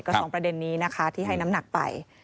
ก็สองประเด็นนี้นะคะที่ให้น้ำหนักไป